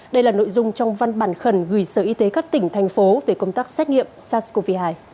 đây là nội dung trong văn bản khẩn gửi sở y tế các tỉnh thành phố về công tác xét nghiệm sars cov hai